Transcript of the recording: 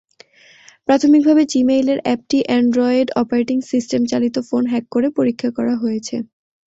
প্রাথমিকভাবে জিমেইলের অ্যাপটি Android operating সিস্টেম-চালিত ফোনে হ্যাক করে পরীক্ষা করা হয়েছে।